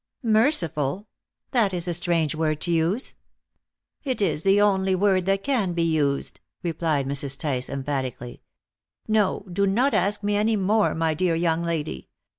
"Merciful? That is a strange word to use." "It is the only word that can be used," replied Mrs. Tice emphatically. "No, do not ask me any more, my dear young lady.